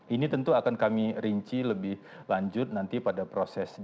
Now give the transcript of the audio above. ini tentu akan kami rinci lebih lanjut nanti pada proses dikasasi ya